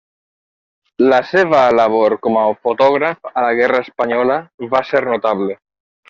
La seva labor com a fotògraf a la guerra espanyola va ser notable.